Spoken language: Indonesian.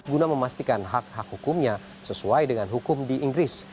guna memastikan hak hak hukumnya sesuai dengan hukum di inggris